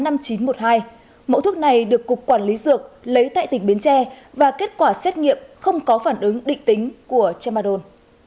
mẫu thuốc này được cục quản lý dược lấy tại tỉnh bến tre và kết quả xét nghiệm không có phản ứng định tính của chamadon